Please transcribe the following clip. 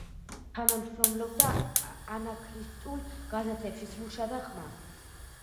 თანამშრომლობდა ანარქისტულ გაზეთებშიც „მუშა“ და „ხმა“.